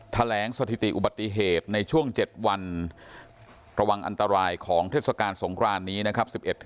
แถลงสถิติอุบัติเหตุในช่วง๗วันระวังอันตรายของเทศกาลสงครานนี้นะครับ